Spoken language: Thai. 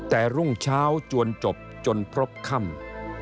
แต่รุ่งเช้าจวนจบจนพบค่ำ